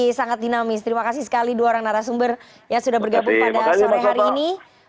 masih sangat dinamis terima kasih sekali dua orang narasumber yang sudah bergabung pada sore hari ini